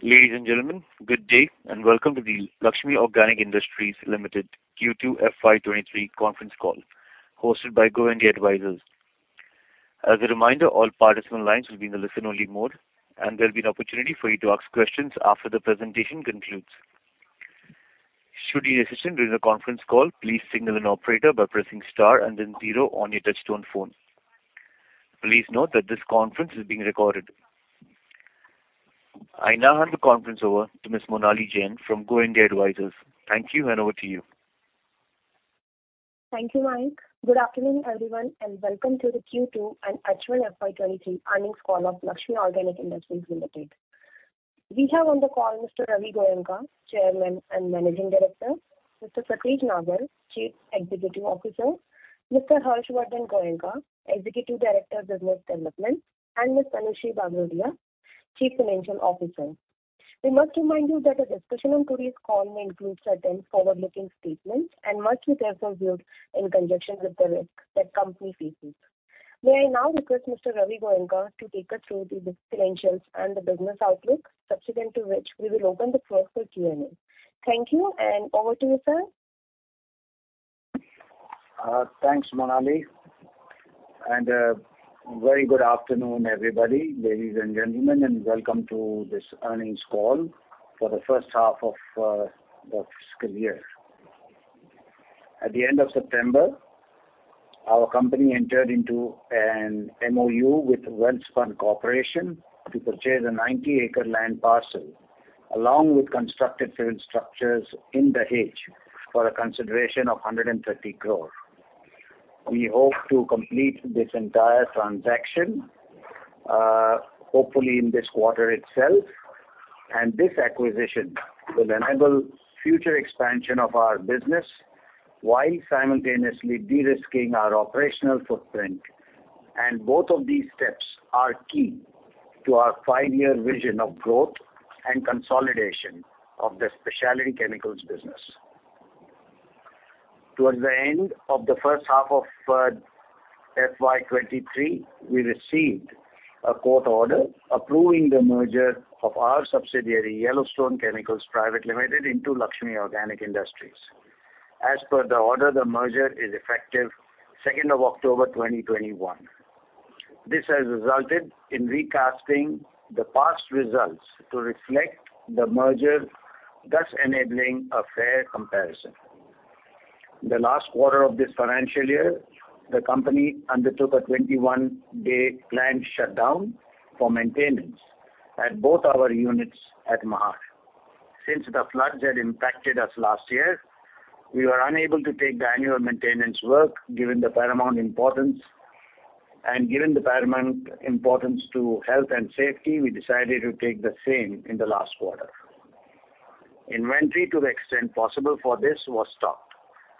Ladies and gentlemen, good day, and welcome to the Laxmi Organic Industries Limited Q2 FY 2023 Conference Call, hosted by GoIndia Advisors. As a reminder, all parties on the line will be in the listen-only mode, and there'll be an opportunity for you to ask questions after the presentation concludes. Should you need assistance during the conference call, please signal an operator by pressing star and then zero on your touchtone phone. Please note that this conference is being recorded. I now hand the conference over to Ms. Monali Jain from GoIndia Advisors. Thank you, and over to you. Thank you, Mike. Good afternoon, everyone, and welcome to the Q2 and Actual FY 2023 Earnings Call of Laxmi Organic Industries Limited. We have on the call Mr. Ravi Goenka, Chairman and Managing Director, Mr. Rajan Venkatesh, Chief Executive Officer, Mr. Harshvardhan Goenka, Executive Director of Business Development, and Ms. Tanushree Bagrodia, Chief Financial Officer. We must remind you that a discussion on today's call may include certain forward-looking statements and must be therefore viewed in conjunction with the risk that company faces. May I now request Mr. Ravi Goenka to take us through the business financials and the business outlook, subsequent to which we will open the floor for Q&A. Thank you, and over to you, sir. Thanks, Monali, and very good afternoon, everybody, ladies and gentlemen, and welcome to this earnings call for the first half of the fiscal year. At the end of September, our company entered into an MoU with Welspun Corporation to purchase a 90-acre land parcel, along with constructed civil structures in the NH for a consideration of 130 crore. We hope to complete this entire transaction, hopefully in this quarter itself, and this acquisition will enable future expansion of our business while simultaneously de-risking our operational footprint. Both of these steps are key to our five-year vision of growth and consolidation of the specialty chemicals business. Towards the end of the first half of FY 2023, we received a court order approving the merger of our subsidiary, Yellowstone Chemicals Private Limited, into Laxmi Organic Industries. As per the order, the merger is effective October 20, 2021. This has resulted in recasting the past results to reflect the merger, thus enabling a fair comparison. The last quarter of this financial year, the company undertook a 21-day plant shutdown for maintenance at both our units at Mahad. Since the floods had impacted us last year, we were unable to take the annual maintenance work, given the paramount importance. Given the paramount importance to health and safety, we decided to take the same in the last quarter. Inventory to the extent possible for this was stopped.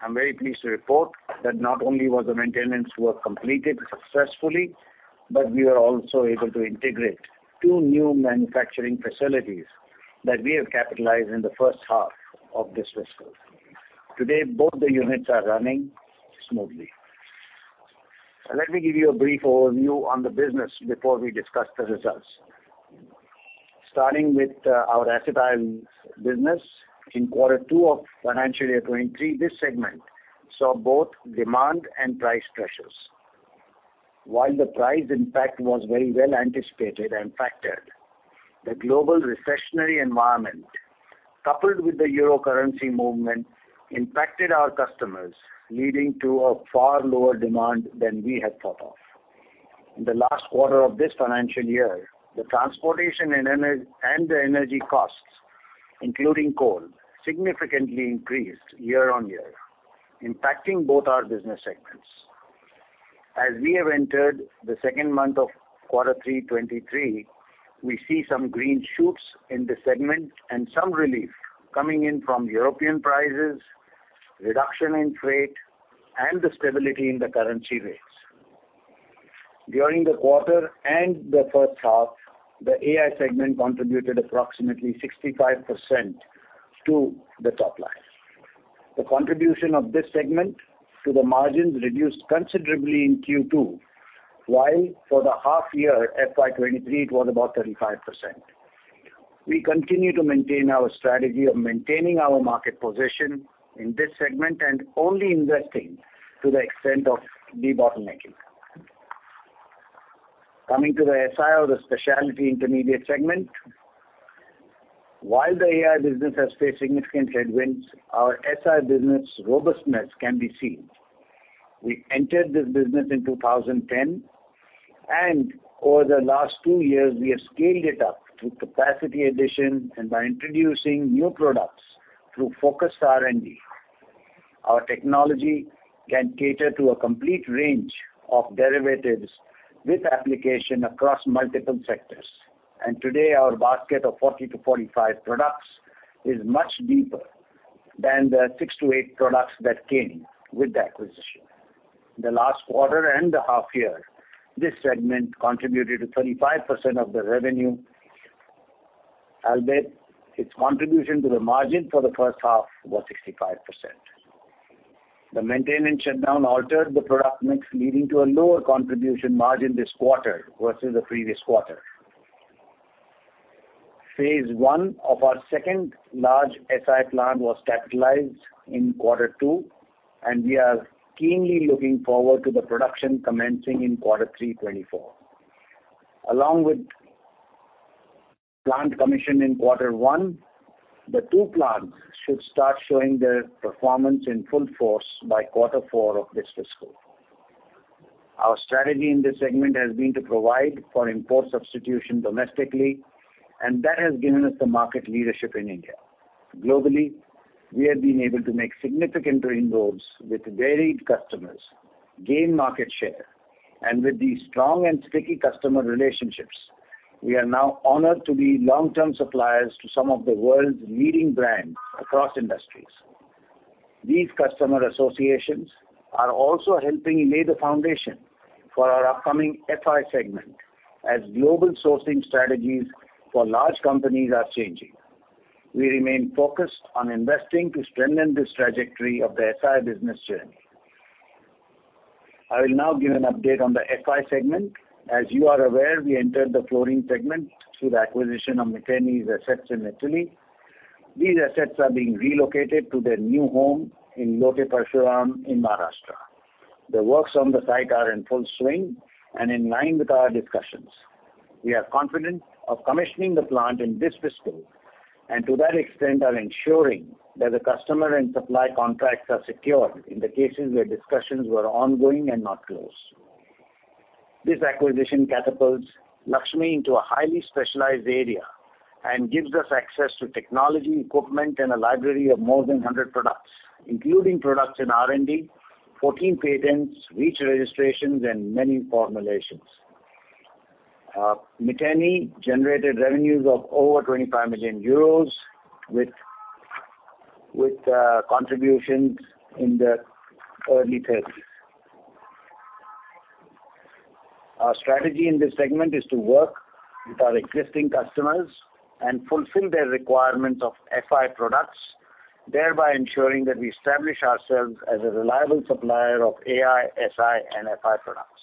I'm very pleased to report that not only was the maintenance work completed successfully, but we were also able to integrate two new manufacturing facilities that we have capitalized in the first half of this fiscal. Today, both the units are running smoothly. Let me give you a brief overview on the business before we discuss the results. Starting with our acetyl business. In Q2 of financial year 2023, this segment saw both demand and price pressures. While the price impact was very well anticipated and factored, the global recessionary environment, coupled with the euro currency movement, impacted our customers, leading to a far lower demand than we had thought of. In the last quarter of this financial year, the transportation and the energy costs, including coal, significantly increased year-on-year, impacting both our business segments. As we have entered the second month of Q3 2023, we see some green shoots in this segment and some relief coming in from European prices, reduction in freight, and the stability in the currency rates. During the quarter and the first half, the AI segment contributed approximately 65% to the top line. The contribution of this segment to the margins reduced considerably in Q2, while for the half year FY 2023 it was about 35%. We continue to maintain our strategy of maintaining our market position in this segment and only investing to the extent of debottlenecking. Coming to the SI or the specialty intermediate segment. While the AI business has faced significant headwinds, our SI business robustness can be seen. We entered this business in 2010, and over the last two years we have scaled it up through capacity addition and by introducing new products through focused R&D. Our technology can cater to a complete range of derivatives with application across multiple sectors. Today our basket of 40-45 products is much deeper than the 6-8 products that came with the acquisition. The last quarter and the half year, this segment contributed to 35% of the revenue, albeit its contribution to the margin for the first half was 65%. The maintenance shutdown altered the product mix, leading to a lower contribution margin this quarter versus the previous quarter. Phase one of our second large SI plant was capitalized in Q2, and we are keenly looking forward to the production commencing in Q3 2024. Along with plant commission in Q1, the two plants should start showing their performance in full force by Q4 of this fiscal. Our strategy in this segment has been to provide for import substitution domestically, and that has given us the market leadership in India. Globally, we have been able to make significant inroads with varied customers, gain market share, and with these strong and sticky customer relationships, we are now honored to be long-term suppliers to some of the world's leading brands across industries. These customer associations are also helping lay the foundation for our upcoming FI segment, as global sourcing strategies for large companies are changing. We remain focused on investing to strengthen this trajectory of the SI business journey. I will now give an update on the FI segment. As you are aware, we entered the fluoro segment through the acquisition of Miteni's assets in Italy. These assets are being relocated to their new home in Lote Parshuram in Maharashtra. The works on the site are in full swing and in line with our discussions. We are confident of commissioning the plant in this fiscal, and to that extent are ensuring that the customer and supply contracts are secured in the cases where discussions were ongoing and not closed. This acquisition catapults Laxmi into a highly specialized area and gives us access to technology, equipment, and a library of more than 100 products, including products in R&D, 14 patents, REACH registrations, and many formulations. Miteni generated revenues of over 25 million euros with contributions in the early 30s%. Our strategy in this segment is to work with our existing customers and fulfill their requirements of FI products, thereby ensuring that we establish ourselves as a reliable supplier of AI, SI, and FI products.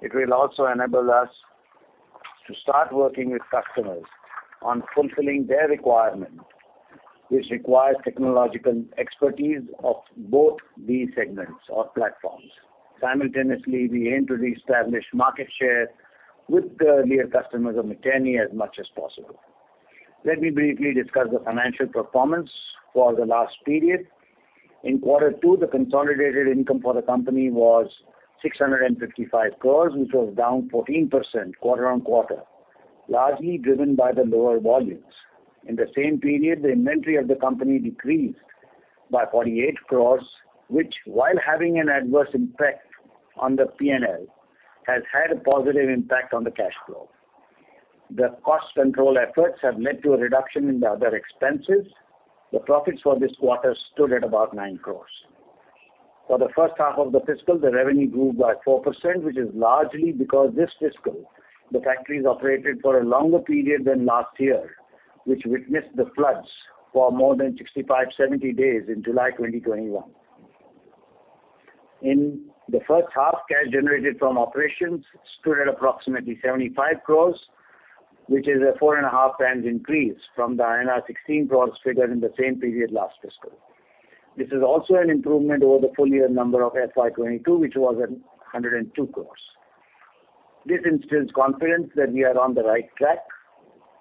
It will also enable us to start working with customers on fulfilling their requirement, which requires technological expertise of both these segments or platforms. Simultaneously, we aim to reestablish market share with the earlier customers of Miteni as much as possible. Let me briefly discuss the financial performance for the last period. In Q2, the consolidated income for the company was 655 crores, which was down 14% quarter-on-quarter, largely driven by the lower volumes. In the same period, the inventory of the company decreased by 48 crores, which while having an adverse impact on the P&L, has had a positive impact on the cash flow. The cost control efforts have led to a reduction in the other expenses. The profits for this quarter stood at about 9 crores. For the first half of the fiscal, the revenue grew by 4%, which is largely because this fiscal, the factories operated for a longer period than last year, which witnessed the floods for more than 65-70 days in July 2021. In the first half, cash generated from operations stood at approximately 75 crores, which is a four and a half times increase from the INR 16 crores figured in the same period last fiscal. This is also an improvement over the full year number of FY 2022, which was 102 crores. This instills confidence that we are on the right track,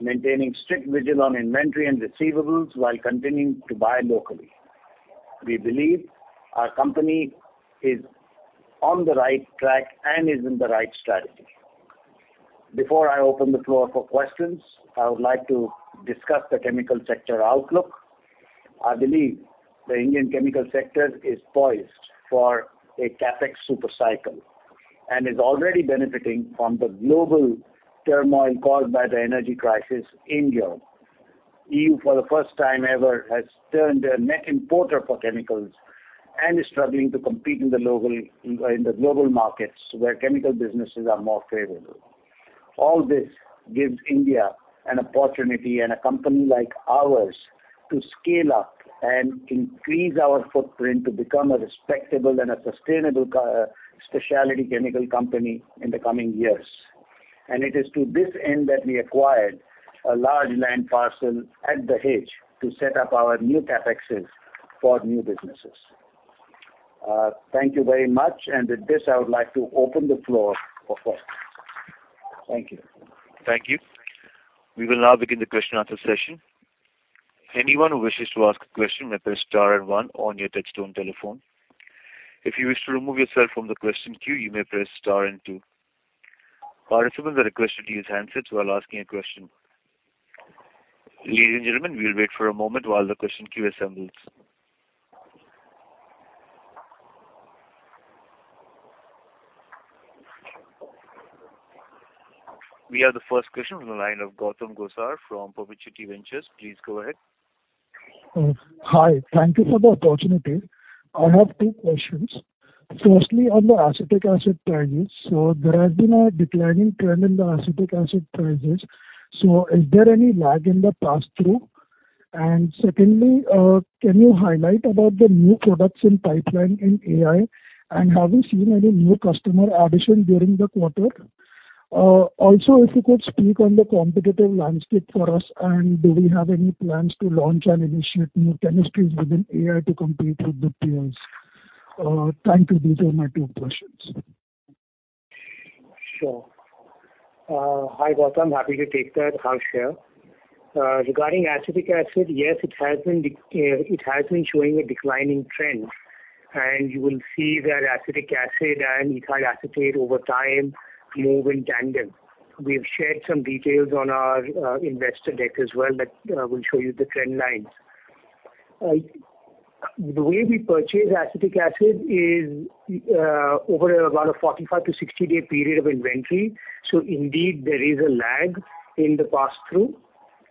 maintaining strict vigil on inventory and receivables while continuing to buy locally. We believe our company is on the right track and is in the right strategy. Before I open the floor for questions, I would like to discuss the chemical sector outlook. I believe the Indian chemical sector is poised for a CapEx super cycle and is already benefiting from the global turmoil caused by the energy crisis in Europe. EU, for the first time ever, has turned a net importer for chemicals and is struggling to compete in the global markets where chemical businesses are more favorable. All this gives India an opportunity and a company like ours to scale up and increase our footprint to become a respectable and a sustainable specialty chemical company in the coming years. It is to this end that we acquired a large land parcel at Dahej to set up our new CapExes for new businesses. Thank you very much. With this, I would like to open the floor for questions. Thank you. Thank you. We will now begin the question & answer session. Anyone who wishes to ask a question may press star and one on your touchtone telephone. If you wish to remove yourself from the question queue, you may press star and two. Participants are requested to use handsets while asking a question. Ladies and gentlemen, we'll wait for a moment while the question queue assembles. We have the first question on the line of Gautam Gosar from Permittivity Ventures. Please go ahead. Hi. Thank you for the opportunity. I have two questions. Firstly, on the Acetic Acid prices. There has been a declining trend in the Acetic Acid prices. Is there any lag in the pass-through? Secondly, can you highlight about the new products in pipeline in AI? And have you seen any new customer addition during the quarter? Also if you could speak on the competitive landscape for us, and do we have any plans to launch and initiate new chemistries within AI to compete with the peers? Thank you. These are my two questions. Sure. Hi, Gautam. Happy to take that. Harsh here. Regarding acetic acid, yes, it has been showing a declining trend. You will see that acetic acid and ethyl acetate over time move in tandem. We have shared some details on our investor deck as well that will show you the trend lines. The way we purchase acetic acid is over about a 45- to 60-day period of inventory. Indeed there is a lag in the pass-through,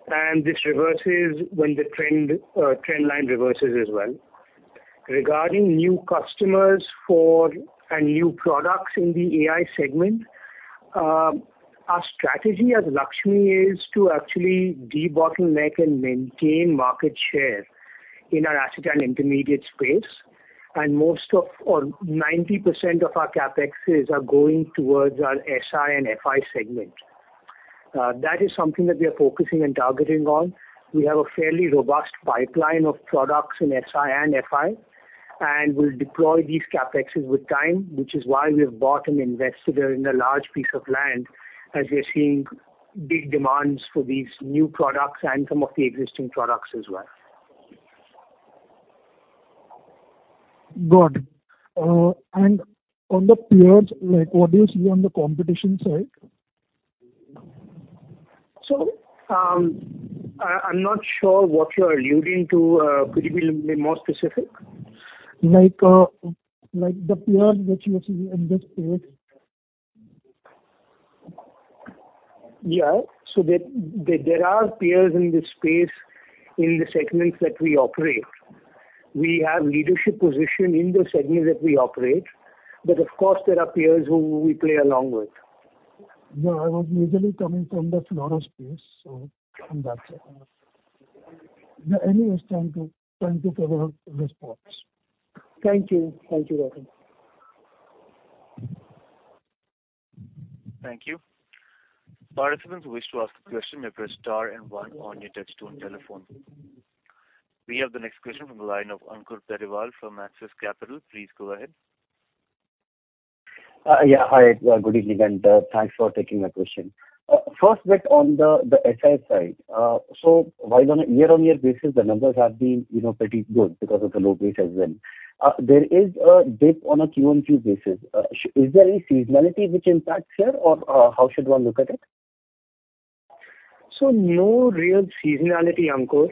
and this reverses when the trend line reverses as well. Regarding new customers for and new products in the AI segment, our strategy as Laxmi is to actually debottleneck and maintain market share in our acetyl intermediate space. Most of our 90% of our CapEx are going towards our SI and FI segment. That is something that we are focusing and targeting on. We have a fairly robust pipeline of products in SI and FI, and we'll deploy these CapExes with time, which is why we've bought and invested in a large piece of land as we're seeing big demands for these new products and some of the existing products as well. Got it. On the peers, like, what do you see on the competition side? I'm not sure what you're alluding to. Could you be more specific? Like the peers which you have seen in this period. Yeah. There are peers in this space in the segments that we operate. We have leadership position in the segment that we operate, but of course there are peers who we play along with. No, I was majorly coming from the fluoro space, so from that side. Yeah. Anyways, thank you. Thank you for your response. Thank you. Thank you, Gautam. Thank you. Participants who wish to ask a question may press star and one on your touchtone telephone. We have the next question from the line of Ankur Periwal from Axis Capital. Please go ahead. Yeah. Hi. Good evening, and thanks for taking my question. First bit on the SI side. So while on a year-on-year basis the numbers have been, you know, pretty good because of the low base as well, there is a dip on a quarter-on-quarter basis. Is there any seasonality which impacts here or how should one look at it? No real seasonality, Ankur.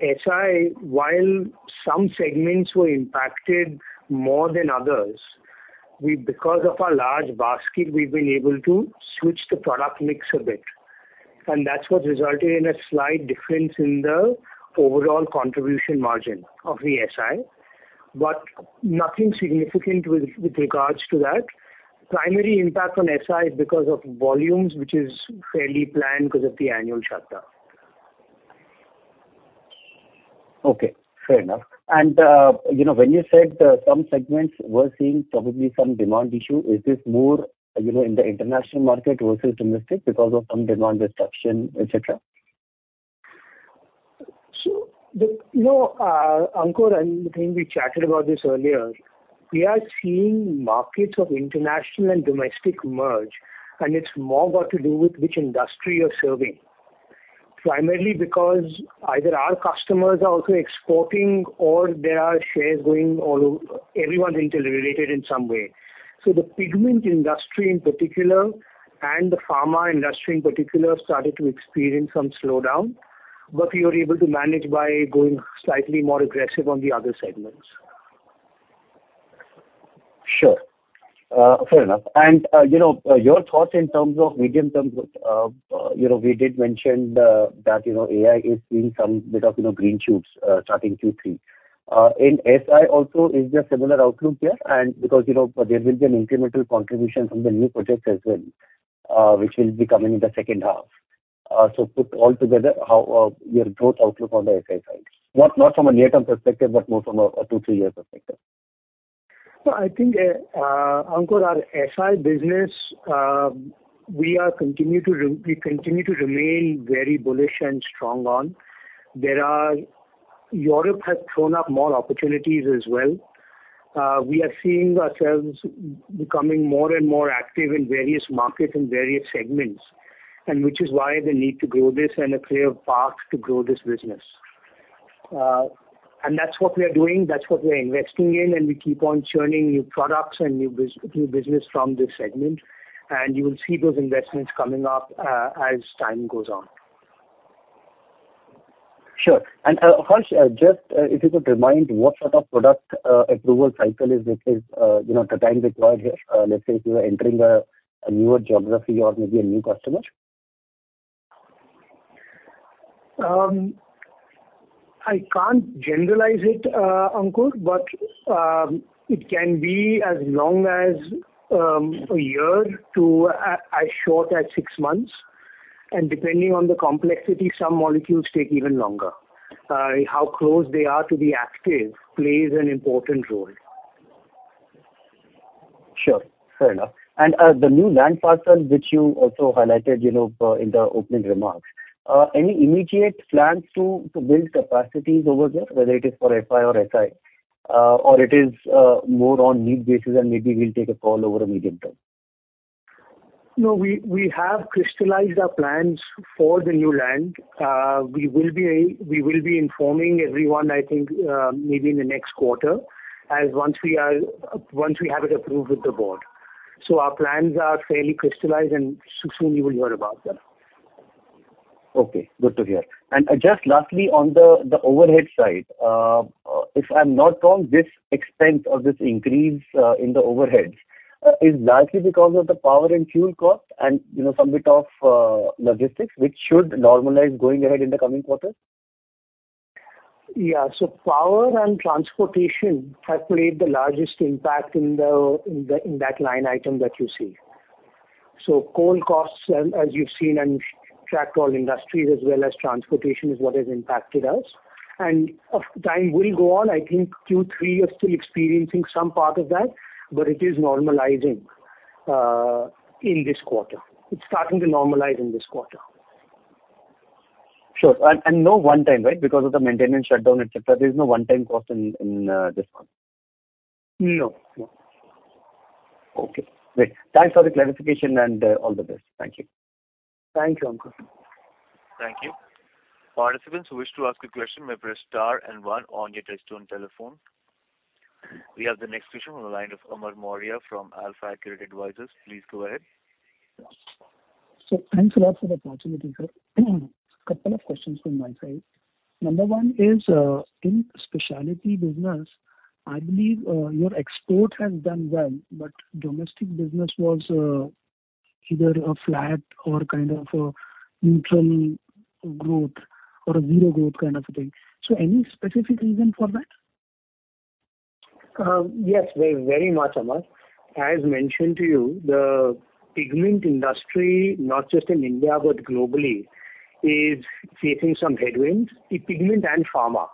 SI, while some segments were impacted more than others, because of our large basket, we've been able to switch the product mix a bit. That's what resulted in a slight difference in the overall contribution margin of the SI. Nothing significant with regards to that. Primary impact on SI is because of volumes, which is fairly planned because of the annual shutdown. Okay, fair enough. You know, when you said some segments were seeing probably some demand issue, is this more, you know, in the international market versus domestic because of some demand disruption, et cetera? Ankur, I think we chatted about this earlier. We are seeing markets of international and domestic merging, and it's more got to do with which industry you're serving. Primarily because either our customers are also exporting or there are chains going, everyone's interrelated in some way. The pigment industry in particular and the pharma industry in particular started to experience some slowdown, but we were able to manage by going slightly more aggressive on the other segments. Sure. Fair enough. You know, your thoughts in terms of medium term, you know, we did mention that, you know, AI is seeing some bit of, you know, green shoots, starting Q3. In SI also is there similar outlook here? Because, you know, there will be an incremental contribution from the new projects as well, which will be coming in the second half. Put all together, how your growth outlook on the SI side. Not from a near-term perspective, but more from a two, three-year perspective. I think, Ankur, our SI business, we continue to remain very bullish and strong on. Europe has thrown up more opportunities as well. We are seeing ourselves becoming more and more active in various markets and various segments, and which is why the need to grow this and a clear path to grow this business. That's what we are doing, that's what we are investing in, and we keep on churning new products and new business from this segment. You will see those investments coming up, as time goes on. Sure. Harsh, just if you could remind what sort of product approval cycle is required, you know, the time required here, let's say if you are entering a newer geography or maybe a new customer? I can't generalize it, Ankur, but it can be as long as a year to as short as six months. Depending on the complexity, some molecules take even longer. How close they are to be active plays an important role. Sure. Fair enough. The new land parcel which you also highlighted, you know, in the opening remarks, any immediate plans to build capacities over there, whether it is for FI or SI, or it is more on need basis and maybe we'll take a call over the medium term? No, we have crystallized our plans for the new land. We will be informing everyone, I think, maybe in the next quarter once we have it approved with the board. Our plans are fairly crystallized, and soon you will hear about them. Okay, good to hear. Just lastly, on the overhead side, if I'm not wrong, this expense or this increase in the overheads is largely because of the power and fuel cost and, you know, some bit of logistics which should normalize going ahead in the coming quarters? Yeah. Power and transportation have played the largest impact in the line item that you see. Coal costs, as you've seen and tracked across all industries as well as transportation is what has impacted us. Over time will go on. I think Q3 is still experiencing some part of that, but it is normalizing in this quarter. It's starting to normalize in this quarter. Sure. No one-time, right? Because of the maintenance shutdown, etc., there's no one-time cost in this one. No. No. Okay, great. Thanks for the clarification and all the best. Thank you. Thank you, Ankur. Thank you. Participants who wish to ask a question may press star and one on your touchtone telephone. We have the next question on the line of Amar Maurya from Alpha Credit Advisors. Please go ahead. Thanks a lot for the opportunity, sir. Couple of questions from my side. Number one is, in specialty business, I believe, your export has done well, but domestic business was, either a flat or kind of a neutral growth or a zero growth kind of a thing. Any specific reason for that? Yes, very, very much, Amar. As mentioned to you, the pigment industry, not just in India but globally, is facing some headwinds. The pigment and pharma,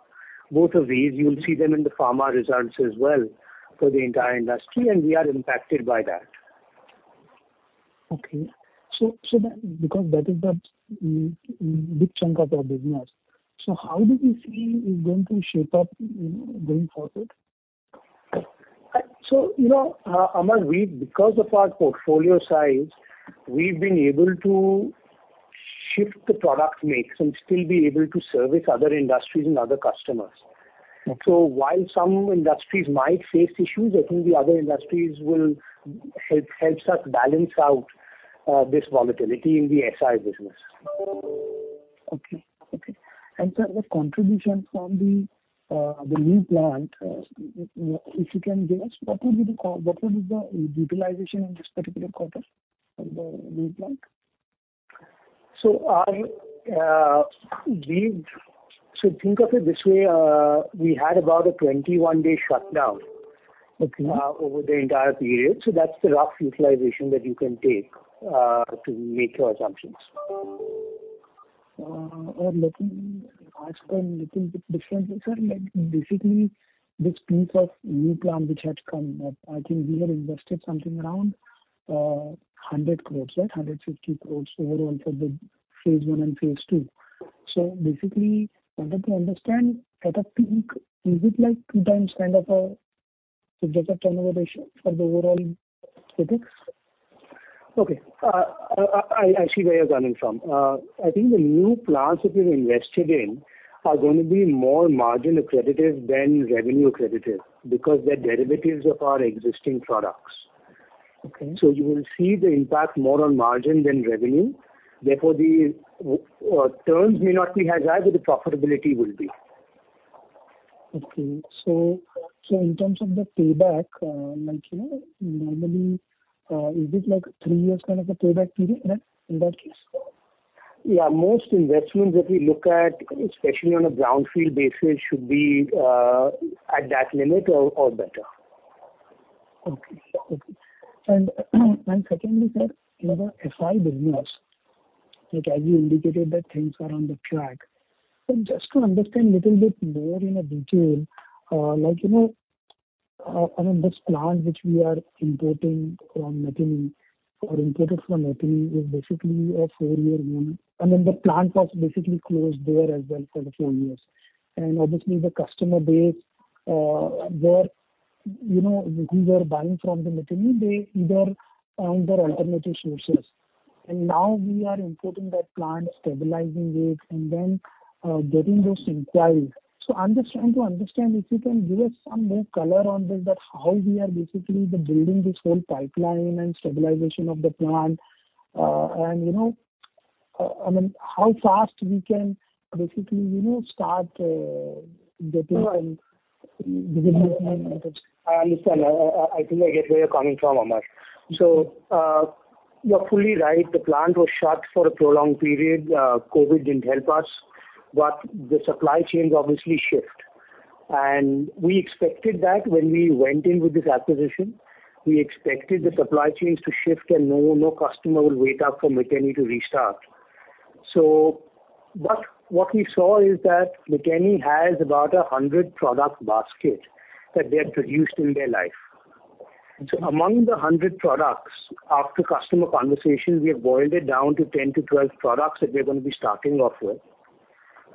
both of these, you'll see them in the pharma results as well for the entire industry, and we are impacted by that. Because that is the big chunk of our business, so how do you see it going to shape up going forward? You know, Amar, we, because of our portfolio size, we've been able to shift the product mix and still be able to service other industries and other customers. Okay. While some industries might face issues, I think the other industries will help us balance out this volatility in the SI business. Sir, the contribution from the new plant, if you can give us what will be the utilization in this particular quarter of the new plant? Think of it this way. We had about a 21-day shutdown. Okay over the entire period. That's the rough utilization that you can take to make your assumptions. Let me ask a little bit differently, sir. Like, basically this piece of new plant which had come up, I think we have invested something around 100 crore, right? 150 crore overall for the phase I and phase II. Basically, wanted to understand at a peak, is it like 2x kind of a suggested turnover ratio for the overall CapEx? Okay. I see where you're coming from. I think the new plants that we've invested in are gonna be more margin accretive than revenue accretive because they're derivatives of our existing products. Okay. You will see the impact more on margin than revenue. Therefore, the turns may not be as high, but the profitability will be. Okay. In terms of the payback, like, you know, normally, is it like three years kind of a payback period then in that case? Yeah. Most investments that we look at, especially on a brownfield basis, should be at that limit or better. Secondly, sir, in the SI business, like as you indicated that things are on track. Just to understand a little bit more in detail, like, you know, I mean, this plant which we are importing from Miteni or imported from Miteni is basically for four years. I mean, the plant was basically closed there as well for the four years. Obviously the customer base who were buying from Miteni, they either found their alternative sources. Now we are importing that plant, stabilizing it, and then getting those inquiries. I'm just trying to understand if you can give us some more color on this, that how we are basically building this whole pipeline and stabilization of the plant. You know, I mean, how fast we can basically, you know, start getting some business line items. I understand. I think I get where you're coming from, Amar. You're fully right. The plant was shut for a prolonged period. COVID didn't help us, but the supply chains obviously shift. We expected that when we went in with this acquisition. We expected the supply chains to shift, and no customer will wait up for Miteni to restart. What we saw is that Miteni has about a 100-product basket that they have produced in their life. Among the 100 products, after customer conversations, we have boiled it down to 10-12 products that we're gonna be starting off with.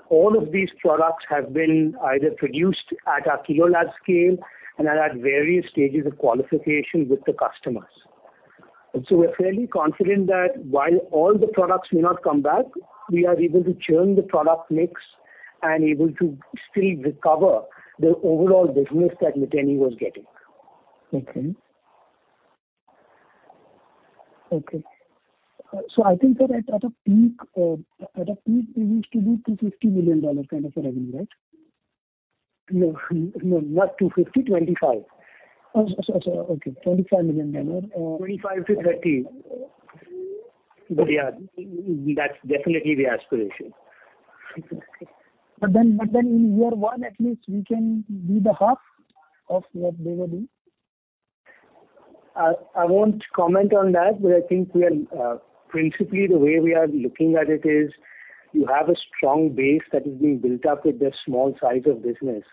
All of these products have been either produced at our kilo lab scale and are at various stages of qualification with the customers. We're fairly confident that while all the products may not come back, we are able to churn the product mix and able to still recover the overall business that Miteni was getting. I think that at a peak they used to do $250 million kind of a revenue, right? No. No, not 250, 25. Okay, $25 million. 25-30. Yeah, that's definitely the aspiration. Okay. In year one at least we can do the half of what they were doing? I won't comment on that, but I think we are principally, the way we are looking at it is you have a strong base that has been built up with the small size of business,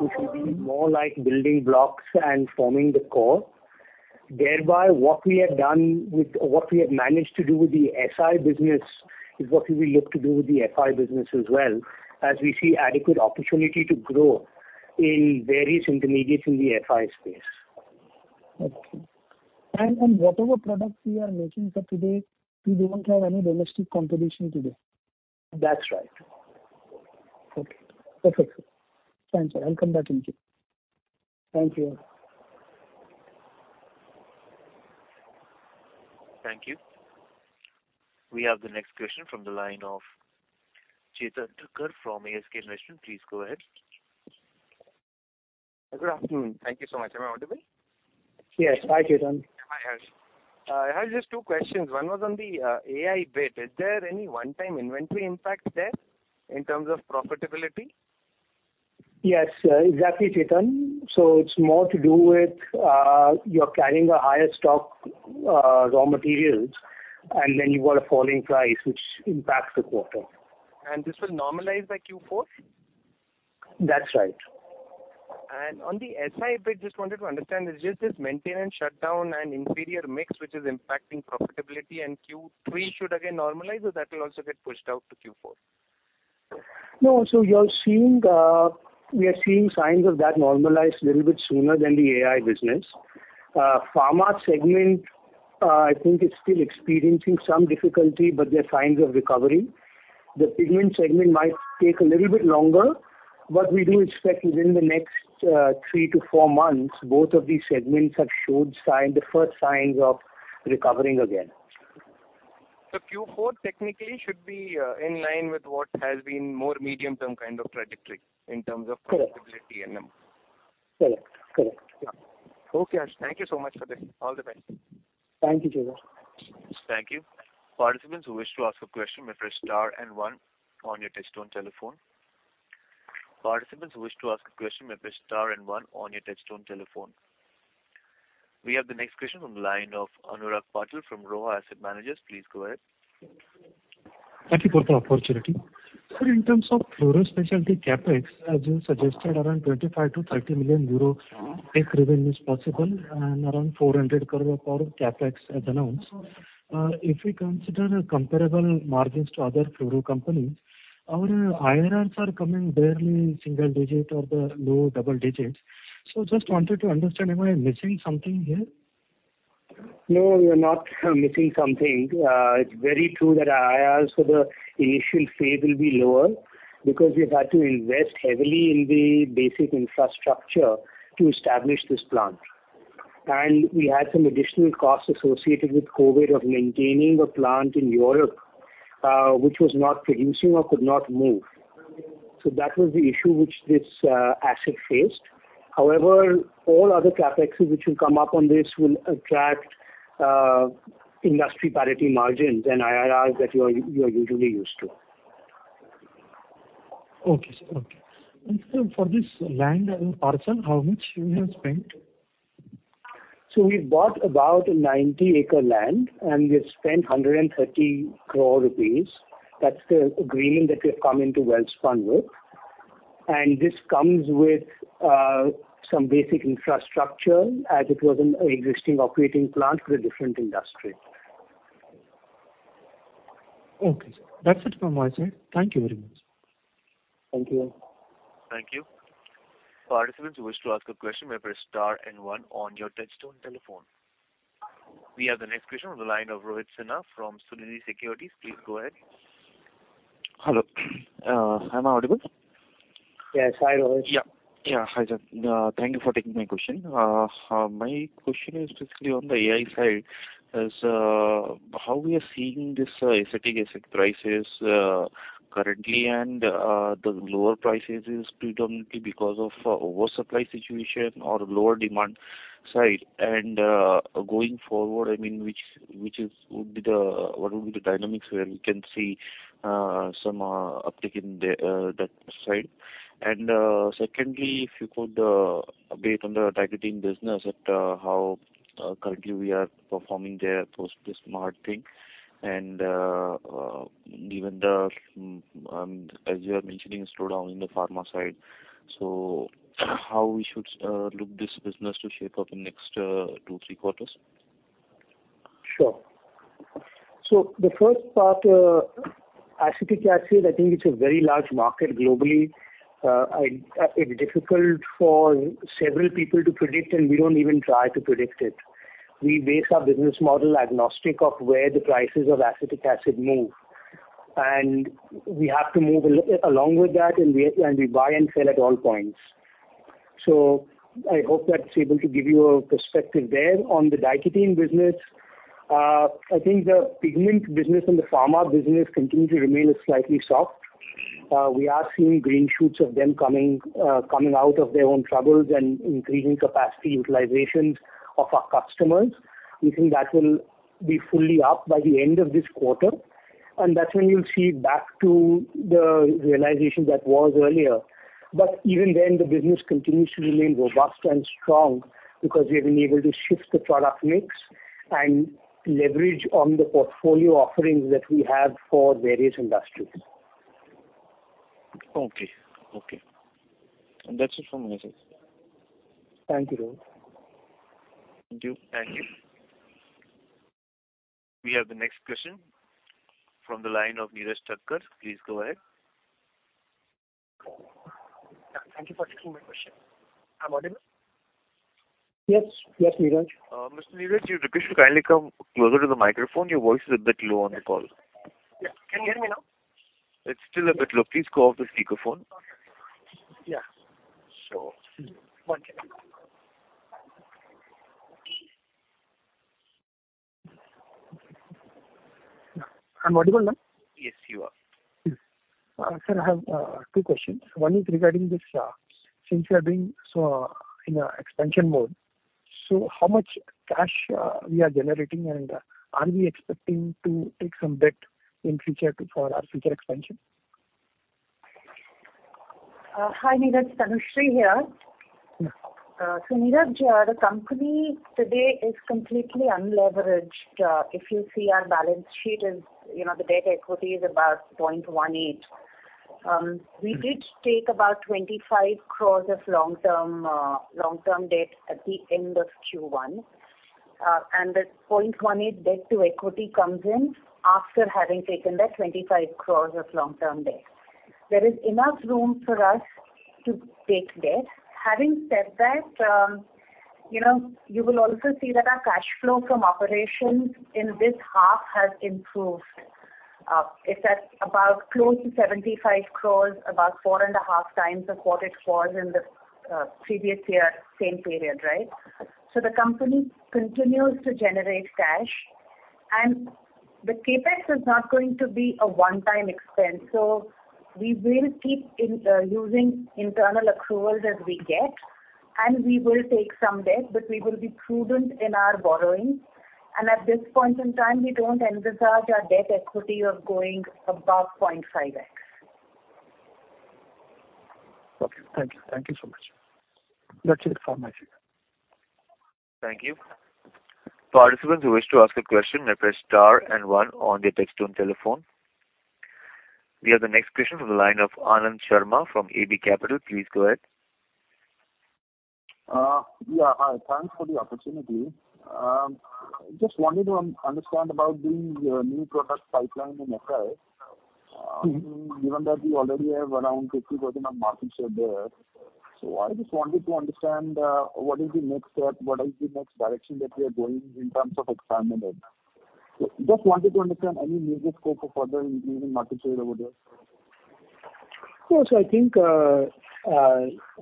which will be more like building blocks and forming the core. Thereby, what we have managed to do with the SI business is what we will look to do with the FI business as well, as we see adequate opportunity to grow in various intermediates in the FI space. Okay. Whatever products we are making, sir, today, we don't have any domestic competition today. That's right. Okay. Perfect, sir. Thanks, sir. I'll come back in case. Thank you. Thank you. We have the next question from the line of Chetan Thacker from ASK Investment Managers. Please go ahead. Good afternoon. Thank you so much. Am I audible? Yes. Hi, Chetan. Hi, Harsh. I have just two questions. One was on the AI bit. Is there any one-time inventory impact there in terms of profitability? Yes, exactly, Chetan. It's more to do with you're carrying a higher stock, raw materials, and then you've got a falling price which impacts the quarter. This will normalize by Q4? That's right. On the SI bit, just wanted to understand, is it just this maintenance shutdown and inferior mix which is impacting profitability and Q3 should again normalize, or that will also get pushed out to Q4? No. We are seeing signs of normalization a little bit sooner than the AI business. Pharma segment, I think, is still experiencing some difficulty, but there are signs of recovery. The pigment segment might take a little bit longer, but we do expect within the next 3-4 months, both of these segments have showed sign, the first signs of recovering again. Q4 technically should be in line with what has been more medium-term kind of trajectory in terms of. Correct. Profitability and them. Correct. Yeah. Okay, Harsh. Thank you so much for this. All the best. Thank you, Chetan. Thank you. Participants who wish to ask a question may press star and one on your touch-tone telephone. We have the next question on the line of Anurag Patil from Roha Asset Managers. Please go ahead. Thank you for the opportunity. Sir, in terms of fluoro specialty CapEx, as you suggested, around 25 million-30 million euro. Mm-hmm. Take revenue is possible and around 400 crore per CapEx as announced. If we consider comparable margins to other fluoro companies, our IRRs are coming barely single digit or the low double digits. Just wanted to understand, am I missing something here? No, you're not missing something. It's very true that IRRs for the initial phase will be lower because we've had to invest heavily in the basic infrastructure to establish this plant. We had some additional costs associated with COVID of maintaining the plant in Europe, which was not producing or could not move. That was the issue which this asset faced. However, all other CapExes which will come up on this will attract industry parity margins and IRRs that you are usually used to. Okay, sir. Okay. Sir, for this land and parcel, how much you have spent? We bought about a 90-acre land, and we have spent 130 crore rupees. That's the agreement that we have come into Welspun with. This comes with some basic infrastructure, as it was an existing operating plant with a different industry. Okay, sir. That's it from my side. Thank you very much. Thank you. Thank you. Participants who wish to ask a question may press star and one on your touchtone telephone. We have the next question on the line of Rohit Sinha from Sunidhi Securities. Please go ahead. Hello. Am I audible? Yes. Hi, Rohit. Hi, sir. Thank you for taking my question. My question is basically on the acetyl side. How are we seeing this acetic acid prices? Currently, the lower prices is predominantly because of oversupply situation or lower demand side. Going forward, I mean, what would be the dynamics where we can see some uptick in that side? Secondly, if you could update on the diketene business, how currently we are performing there post this margin. Given the, as you are mentioning, slowdown in the pharma side, how we should look this business to shape up in next two, three quarters? The first part, Acetic Acid, I think it's a very large market globally. It's difficult for several people to predict, and we don't even try to predict it. We base our business model agnostic of where the prices of Acetic Acid move. We have to move along with that, and we buy and sell at all points. I hope that's able to give you a perspective there. On the diketene business, I think the pigment business and the pharma business continue to remain slightly soft. We are seeing green shoots of them coming out of their own troubles and increasing capacity utilizations of our customers. We think that will be fully up by the end of this quarter, and that's when you'll see back to the realization that was earlier. Even then, the business continues to remain robust and strong because we have been able to shift the product mix and leverage on the portfolio offerings that we have for various industries. Okay. Okay. That's it from my side. Thank you, Rohit. Thank you. Thank you. We have the next question from the line of Neeraj Thakkar. Please go ahead. Yeah, thank you for taking my question. I'm audible? Yes. Yes, Neeraj. Mr. Neeraj Thakkar, you're requested to kindly come closer to the microphone. Your voice is a bit low on the call. Yeah. Can you hear me now? It's still a bit low. Please go off the speakerphone. Okay. Yeah. One second. I'm audible now? Yes, you are. Sir, I have two questions. One is regarding this, since you are doing so in an expansion mode, so how much cash we are generating, and are we expecting to take some debt in future for our future expansion? Hi, Neeraj. Tanushree here. Yeah. Neeraj, the company today is completely unleveraged. If you see our balance sheet is, you know, the debt equity is about 0.18. Mm-hmm. We did take about 25 crore of long-term debt at the end of Q1. That 0.18 debt to equity comes in after having taken that 25 crore of long-term debt. There is enough room for us to take debt. Having said that, you know, you will also see that our cash flow from operations in this half has improved. It's at about close to 75 crore, about 4.5 times of what it was in the previous year, same period, right? The company continues to generate cash, and the CapEx is not going to be a one-time expense. We will keep investing using internal accruals as we get, and we will take some debt, but we will be prudent in our borrowings. At this point in time, we don't envisage our debt equity of going above 0.5x. Okay. Thank you. Thank you so much. That's it from my side. Thank you. Participants who wish to ask a question may press star and one on their touch-tone telephone. We have the next question from the line of Anand Sharma from AB Capital. Please go ahead. Yeah. Thanks for the opportunity. Just wanted to understand about the new product pipeline in FI. Mm-hmm. Given that we already have around 50% of market share there. I just wanted to understand what is the next step, what is the next direction that we are going in terms of expanding it? Just wanted to understand any major scope of further gaining market share over there. I think,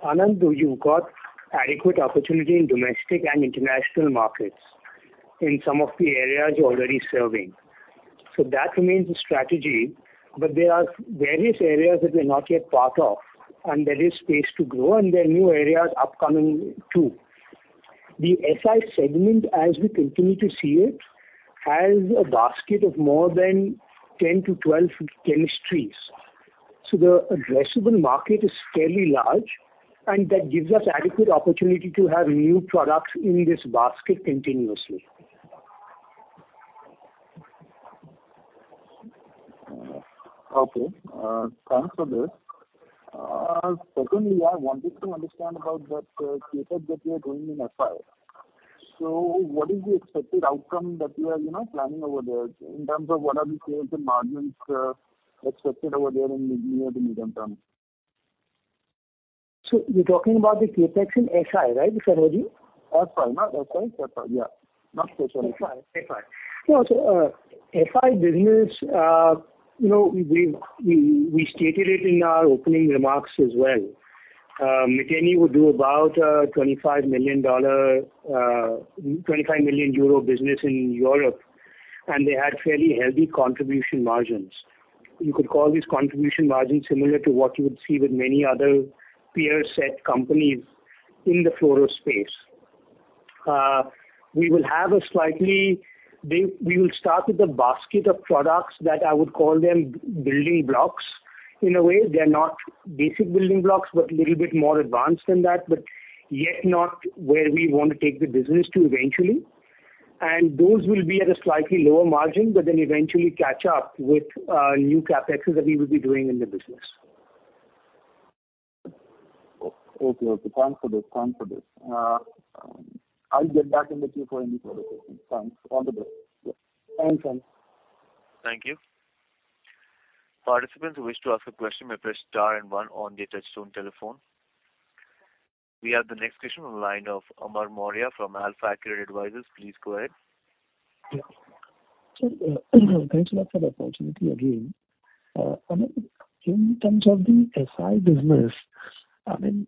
Anand, you've got adequate opportunity in domestic and international markets in some of the areas you're already serving. That remains the strategy. There are various areas that we're not yet part of, and there is space to grow, and there are new areas upcoming too. The SI segment, as we continue to see it, has a basket of more than 10-12 chemistries. The addressable market is fairly large, and that gives us adequate opportunity to have new products in this basket continuously. Okay. Thanks for this. Secondly, I wanted to understand about that CapEx that you are doing in FI. What is the expected outcome that you are, you know, planning over there in terms of what are the sales and margins expected over there in the near to medium term? You're talking about the CapEx in SI, right, if I heard you? FI, not SI. FI, yeah. Not SI, sorry. FI. No, FI business, you know, we stated it in our opening remarks as well. Miteni would do about 25 million euro business in Europe, and they had fairly healthy contribution margins. You could call these contribution margins similar to what you would see with many other peer set companies in the fluoro space. We will start with a basket of products that I would call them building blocks in a way. They're not basic building blocks, but little bit more advanced than that, but yet not where we want to take the business to eventually. Those will be at a slightly lower margin, but then eventually catch up with new CapExes that we will be doing in the business. Okay. Thanks for this. I'll get back in touch with you for any further questions. Thanks. All the best. Yeah. Thanks, Anand Sharma. Thank you. Participants who wish to ask a question may press star and one on their touch tone telephone. We have the next question on the line of Amar Maurya from Alphaac Credit Advisors. Please go ahead. Yeah. Thanks a lot for the opportunity again. Harsh, in terms of the SI business, I mean,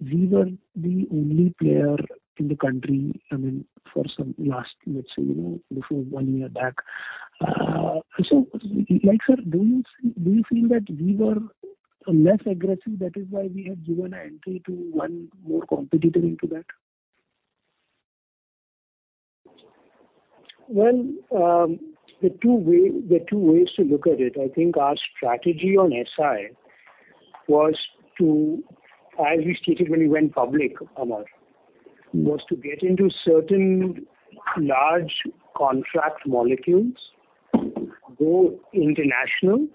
we were the only player in the country, I mean, for the last, let's say, you know, before one year back. Like, sir, do you feel that we were less aggressive, that is why we have given an entry to one more competitor into that? Well, there are two ways to look at it. I think our strategy on SI was to, as we stated when we went public, Amar, get into certain large contract molecules, go international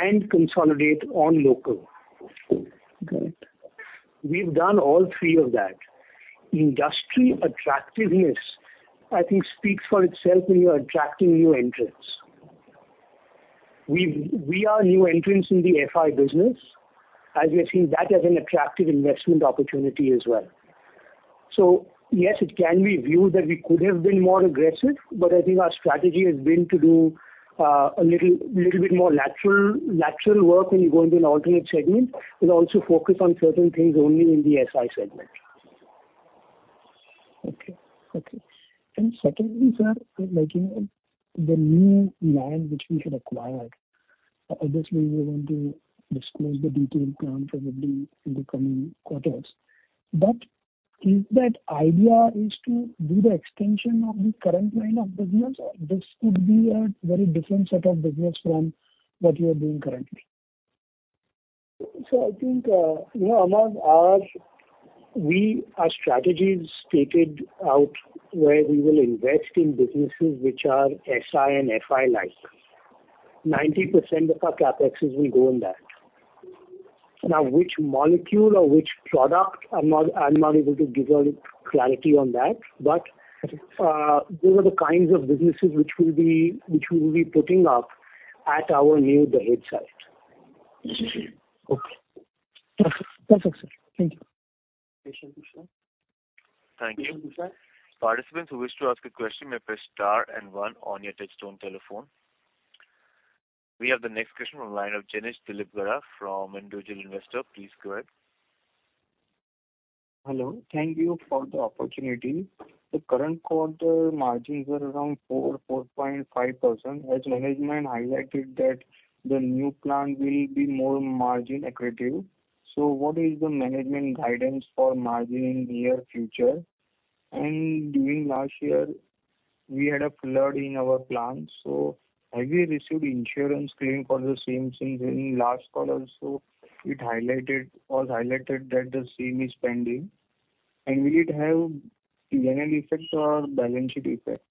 and consolidate on local. Got it. We've done all three of that. Industry attractiveness, I think, speaks for itself when you are attracting new entrants. We are new entrants in the FI business, as we are seeing that as an attractive investment opportunity as well. Yes, it can be viewed that we could have been more aggressive, but I think our strategy has been to do a little bit more lateral work when you go into an alternate segment and also focus on certain things only in the SI segment. Okay. Secondly, sir, like, you know, the new land which we have acquired, obviously we're going to disclose the detailed plan probably in the coming quarters. But is that idea is to do the extension of the current line of business, or this could be a very different set of business from what you are doing currently? I think, you know, Amar, our strategy is laid out where we will invest in businesses which are SI and FI like. 90% of our CapExes will go in that. Now, which molecule or which product, I'm not able to give a clarity on that. Those are the kinds of businesses which we'll be putting up at our new Dahej site. Okay. Perfect, sir. Thank you. Thank you. Participants who wish to ask a question may press star and one on your touch tone telephone. We have the next question on the line of Jenish Dilipgara from Individual Investor. Please go ahead. Hello. Thank you for the opportunity. The current quarter margins are around 4%-4.5%. Management highlighted that the new plant will be more margin accretive. What is the management guidance for margin in near future? During last year, we had a flood in our plant. Have you received insurance claim for the same? Since in last quarter also it highlighted that the same is pending. Will it have P&L effect or balance sheet effect?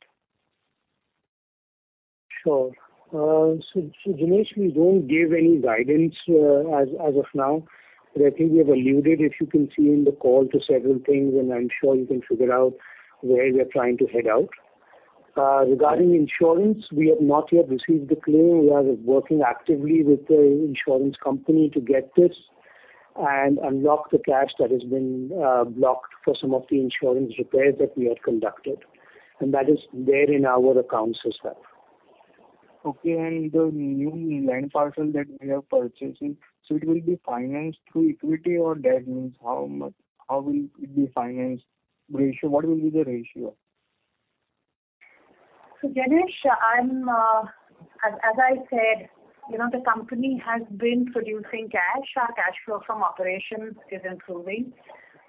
Sure. Jenish, we don't give any guidance, as of now. I think we have alluded, if you can see in the call to several things, and I'm sure you can figure out where we are trying to head out. Regarding insurance, we have not yet received the claim. We are working actively with the insurance company to get this and unlock the cash that has been blocked for some of the insurance repairs that we have conducted. That is there in our accounts as well. Okay. The new land parcel that we are purchasing, so it will be financed through equity or debt? Means how much, how will it be financed ratio? What will be the ratio? Jenish, I'm, as I said, you know, the company has been producing cash. Our cash flow from operations is improving.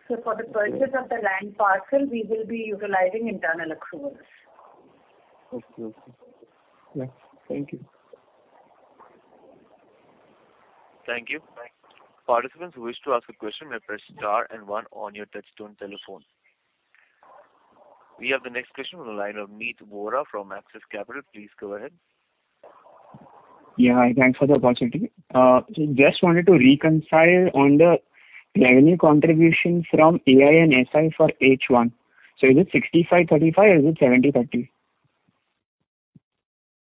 For the purchase of the land parcel, we will be utilizing internal accruals. Okay. Yeah. Thank you. Thank you. Participants who wish to ask a question may press star and one on your touch tone telephone. We have the next question on the line of Meet Vora from Axis Capital. Please go ahead. Yeah. Hi. Thanks for the opportunity. Just wanted to reconcile on the revenue contribution from AI and SI for H1. Is it 65%-35% or is it 70%-30%?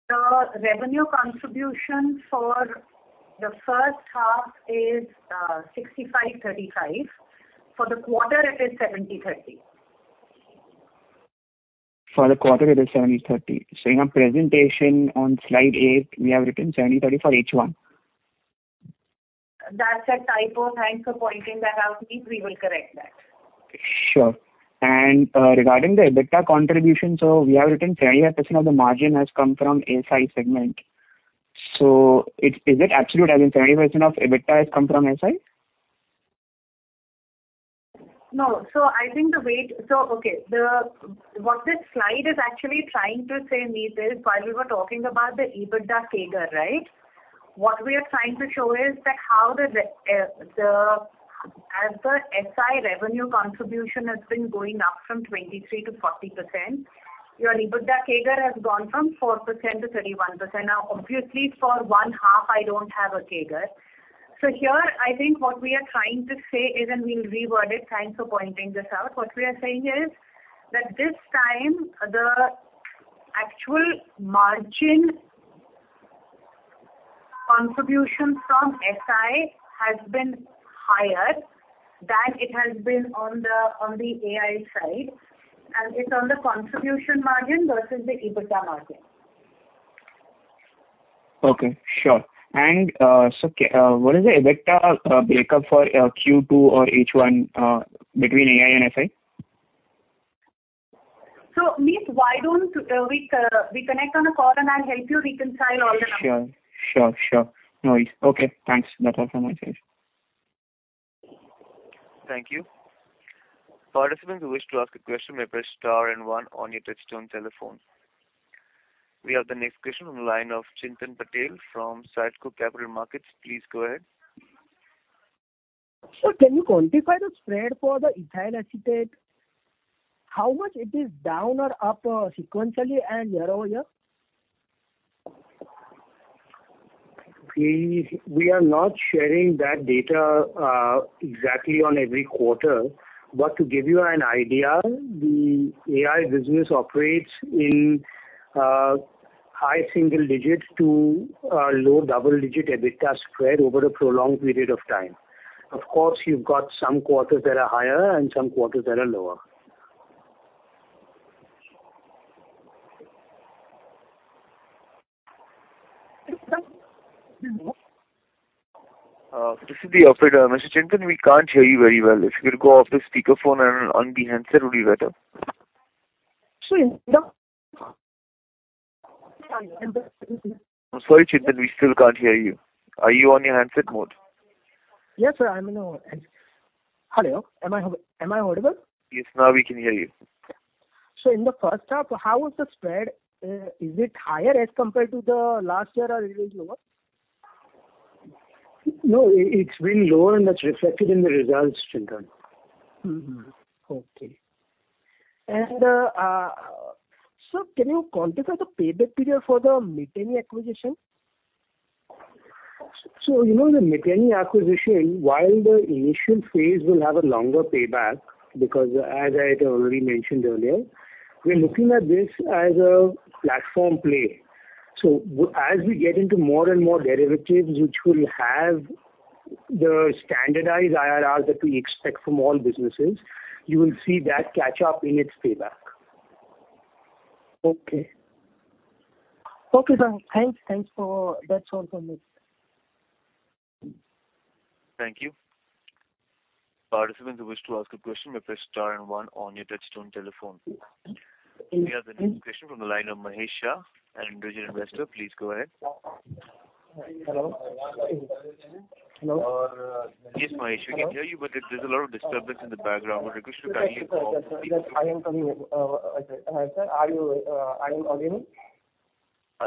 The revenue contribution for the first half is 65%-35%. For the quarter it is 70%-30%. For the quarter, it is 70-30. In our presentation on slide 8, we have written 70-30 for H1. That's a typo. Thanks for pointing that out, Meet Vora. We will correct that. Sure. Regarding the EBITDA contribution. We have written 30% of the margin has come from SI segment. Is it absolute, as in 30% of EBITDA has come from SI? No. I think what this slide is actually trying to say, Meet Vora, is while we were talking about the EBITDA CAGR, right? What we are trying to show is that as the SI revenue contribution has been going up from 23%-40%, your EBITDA CAGR has gone from 4%-31%. Now, obviously, for one half, I don't have a CAGR. Here, I think what we are trying to say is, and we'll reword it. Thanks for pointing this out. What we are saying here is that this time the actual margin contribution from SI has been higher than it has been on the AI side, and it's on the contribution margin versus the EBITDA margin. Okay, sure. What is the EBITDA breakup for Q2 or H1 between AI and SI? Neel, why don't we connect on a call and I'll help you reconcile all the numbers. Sure. No, it's okay. Thanks. That's all from my side. Thank you. Participants who wish to ask a question may press star and one on your touchtone telephone. We have the next question on the line of Chintan Patel from SATCO Capital Markets. Please go ahead. Sir, can you quantify the spread for the Ethyl Acetate? How much it is down or up, sequentially and year-over-year? We are not sharing that data exactly on every quarter. To give you an idea, the AI business operates in high single digits to low double-digit EBITDA spread over a prolonged period of time. Of course, you've got some quarters that are higher and some quarters that are lower. This is the operator. Mr. Chintan, we can't hear you very well. If you could go off the speaker phone and on the handset, would be better. I'm sorry, Chintan, we still can't hear you. Are you on your handset mode? Yes, sir. Hello. Am I audible? Yes. Now we can hear you. In the first half, how was the spread? Is it higher as compared to the last year or it is lower? No, it's been lower and that's reflected in the results, Chintan. Mm-hmm. Okay. Sir, can you quantify the payback period for the Miteni acquisition? You know the Miteni acquisition, while the initial phase will have a longer payback, because as I had already mentioned earlier, we're looking at this as a platform play. As we get into more and more derivatives which will have the standardized IRRs that we expect from all businesses, you will see that catch up in its payback. Okay, sir. Thanks. That's all from me. Thank you. Participants who wish to ask a question, may press star and one on your touch-tone telephone. We have the next question from the line of Mahesh Shah, an individual investor. Please go ahead. Hello? Hello? Yes, Mahesh, we can hear you, but there's a lot of disturbance in the background. Would you wish to try and call? Sir, I am coming. Sir, are you? I am audible?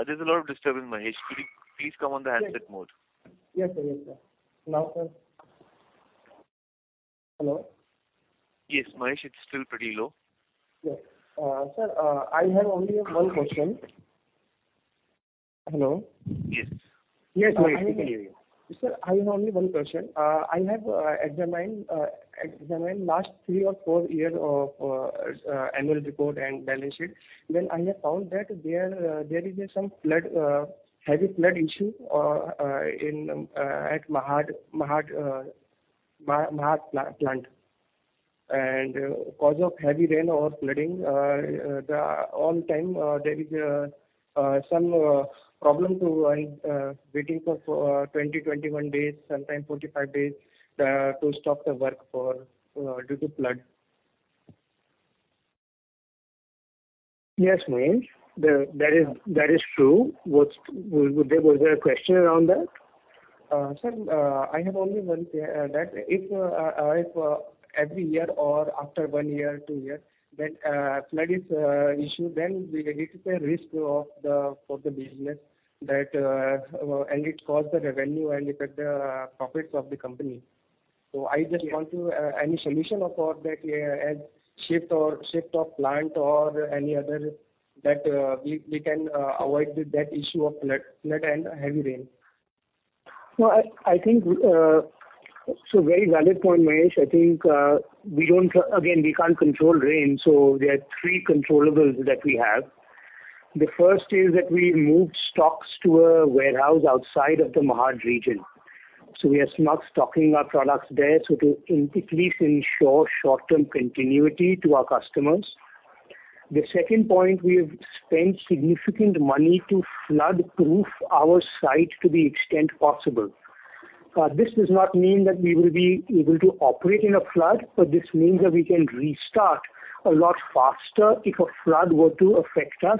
There's a lot of disturbance, Mahesh. Could you please come on the handset mode? Yes, sir. Yes, sir. Now, sir? Hello? Yes, Mahesh, it's still pretty low. Yeah. Sir, I have only one question. Hello? Yes. Yes. We can hear you. Sir, I have only one question. I have examined last three or four year of annual report and balance sheet. I have found that there is some heavy flood issue at Mahad plant. Because of heavy rain or flooding, all the time there is some problem waiting for 20-21 days, sometimes 45 days, to stop the work due to flood. Yes, Mahesh. That is true. Was there a question around that? Sir, I have only one thing, that if every year or after one year, two years, when flood is issue, then it is a risk for the business, and it costs the revenue and affect the profits of the company. I just want any solution of all that, as shift of plant or any other that we can avoid that issue of flood and heavy rain. No, I think it's a very valid point, Mahesh. I think, again, we can't control rain, so there are three controllable that we have. The first is that we moved stocks to a warehouse outside of the Mahad region. So we are stocking our products there, so to at least ensure short-term continuity to our customers. The second point, we have spent significant money to flood-proof our site to the extent possible. This does not mean that we will be able to operate in a flood, but this means that we can restart a lot faster if a flood were to affect us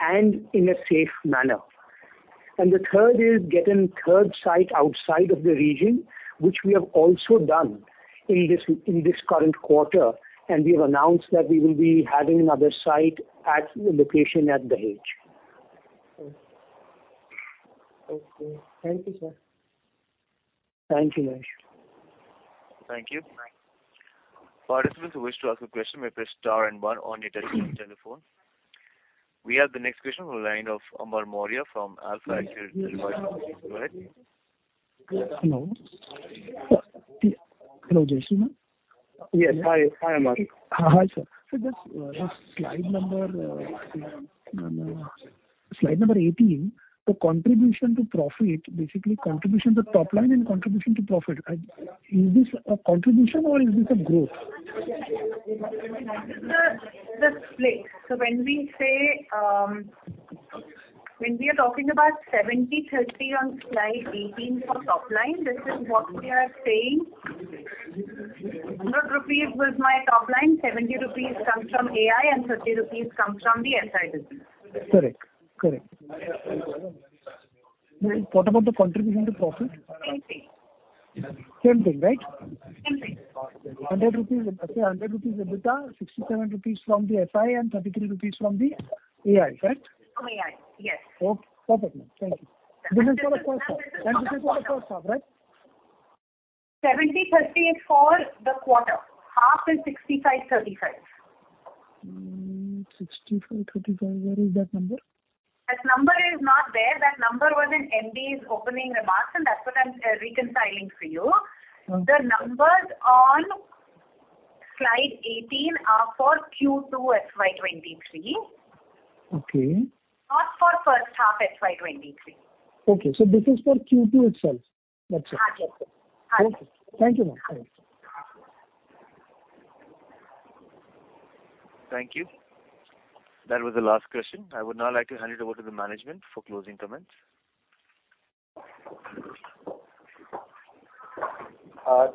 and in a safe manner. The third is get a third site outside of the region, which we have also done in this current quarter. We have announced that we will be having another site at the location at Dahej. Okay. Thank you, sir. Thank you, Mahesh. Thank you. Participants who wish to ask a question may press star and one on your touch tone telephone. We have the next question on the line of Amar Maurya from Alphaac Credit Advisors. Go ahead. Hello? Hello, Jasmina? Yes. Hi, hi Amar. Hi, sir. Just slide number 18, the contribution to profit, basically contribution to top line and contribution to profit. Is this a contribution or is this a growth? The split. When we are talking about 70-30 on slide 18 for top line, this is what we are saying. 100 rupees was my top line, 70 rupees comes from AI and 30 rupees comes from the SI business. Correct. Correct. What about the contribution to profit? Same thing. Same thing, right? Same thing. 100 rupees, let's say 100 rupees EBITDA, 67 rupees from the SI and 33 rupees from the AI, correct? From AI, yes. Okay, perfect, ma'am. Thank you. This is for the first half. This is for the first half, right? 70-30 is for the quarter. Half is 65-35. 65, 35. Where is that number? That number is not there. That number was in MD's opening remarks, and that's what I'm reconciling for you. Okay. The numbers on slide 18 are for Q2 FY23. Okay. Not for first half FY23. Okay. This is for Q2 itself. That's it. Yes, sir. Yes. Okay. Thank you, ma'am. Thanks. Thank you. That was the last question. I would now like to hand it over to the management for closing comments.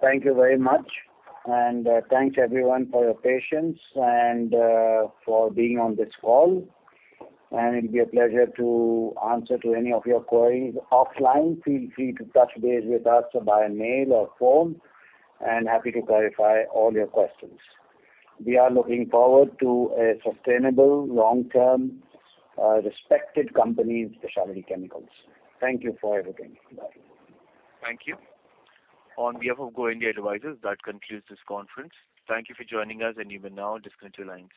Thank you very much, and thanks everyone for your patience and for being on this call. It'll be a pleasure to answer to any of your queries offline. Feel free to touch base with us by mail or phone, and happy to clarify all your questions. We are looking forward to a sustainable long-term, respected company in Specialty Chemicals. Thank you for everything. Goodbye. Thank you. On behalf of GoIndia Advisors, that concludes this conference. Thank you for joining us, and you may now disconnect your lines.